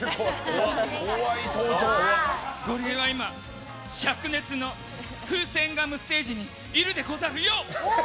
ゴリエは今灼熱のふせんガムステージにいるでござるよ！